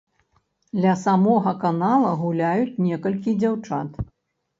Ля самога канала гуляюць некалькі дзяўчат.